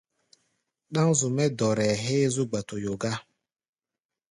Ɗáŋ zu-mɛ́ dɔrɛɛ héé zú gba-toyo gá.